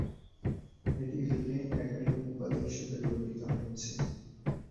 এটি ইউরোপে একাডেমিক উপাধি হিসাবে ব্যবহৃত হচ্ছে।